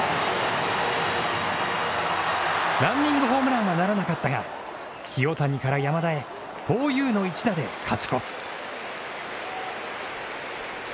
ランニングホームランはならなかったが清谷から山田へ、ＦｏｒＹｏｕの一打で勝ち越す。